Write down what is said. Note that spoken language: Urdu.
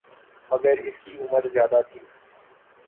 مگر اس کی عمر زیادہ تھی